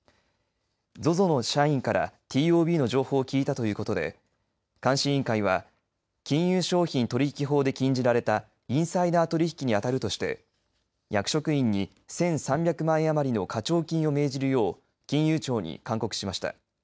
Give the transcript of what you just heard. ＺＯＺＯの社員からＴＯＢの情報を聞いたということで監視委員会は金融商品取引法で禁じられたインサイダー取引に当たるとして役職員に１３００万円余りの課徴金を命じるよう金融庁に勧告しました。